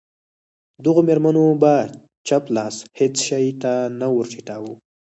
دغو مېرمنو به چپ لاس هېڅ شي ته نه ور ټیټاوه.